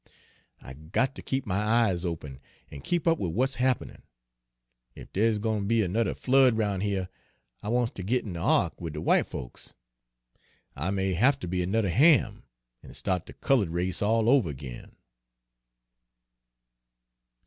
I got ter keep my eyes open an' keep up wid w'at's happenin'. Ef dere's gwine ter be anudder flood 'roun' here, I wants ter git in de ark wid de w'ite folks, I may haf ter be anudder Ham, an' sta't de cullud race all over ag'in."